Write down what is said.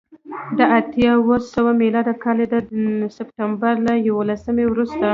د اتیا اوه سوه میلادي کال د سپټمبر له یوولسمې وروسته